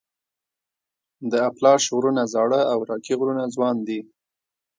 د اپلاش غرونه زاړه او راکي غرونه ځوان دي.